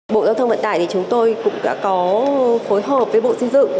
bộ giao thông vận tải thì chúng tôi cũng đã có phối hợp với bộ xây dựng